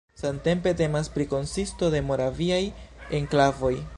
Samtempe temas pri konsisto de Moraviaj enklavoj.